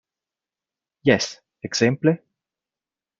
Jes; ekzemple?